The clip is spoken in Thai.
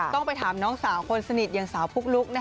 ต้องไปถามน้องสาวคนสนิทอย่างสาวปุ๊กลุ๊ก